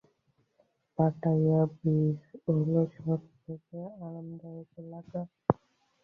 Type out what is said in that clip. Pattaya beach হল সবথেকে আরামদায়ক এলাকা।